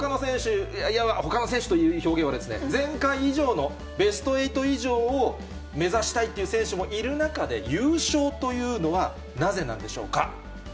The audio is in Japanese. ほかの選手という表現は、前回以上のベスト８以上を目指したいという選手もいる中で、優勝というのはなぜなんでしょうか。